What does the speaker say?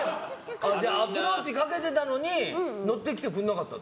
じゃあアプローチかけてたのに乗ってきてくれなかったの？